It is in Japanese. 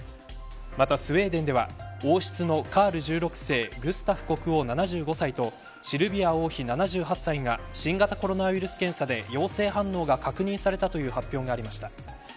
また、スウェーデンでは王室のカール１６世グスタフ国王７５歳とシルビア王妃７８歳が新型コロナウイルス検査で陽性反応が確認されたという発表がありました。